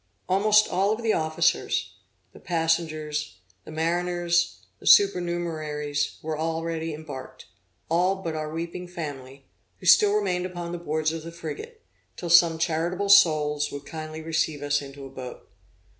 Almost all the officers, the passengers, the mariners and supernumeraries, were already embarked all, but our weeping family, who still remained upon the boards of the frigate, till some charitable souls would kindly receive us into a boat.